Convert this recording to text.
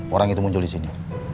orang itu muncul disini